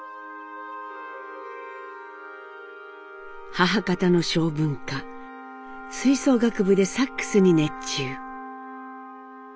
母方の性分か吹奏楽部でサックスに熱中。